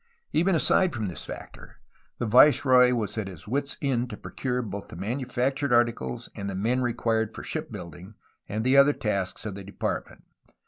But, even aside from this factor, the viceroy was at his wit's end to procure both the manufactured articles and the men required for shipbuilding and the other tasks of the Depart ment.